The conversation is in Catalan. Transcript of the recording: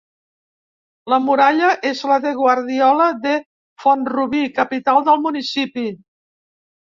La muralla és la de Guardiola de Font-rubí, capital del municipi.